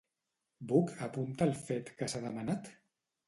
Buch apunta al fet que s'ha demanat?